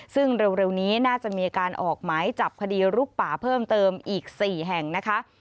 ซึ่งเร็วนี้น่าจะมีการออกหมายจับคดีลุกป่าเพิ่มเติมอีก๔แห่งนะคะ